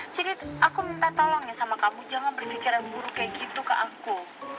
jadi aku minta tolong ya sama kamu jangan berfikiran buruk kayak gitu ke aku